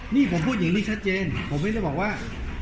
นี่ผมพูดอย่างนี้ชัดเจนผมไม่ได้บอกว่า